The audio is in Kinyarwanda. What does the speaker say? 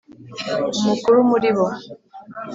umukuru muri bo,,